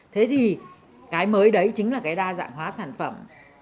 thế thì cái mới đấy chính là cái đa dạng hóa sản phẩm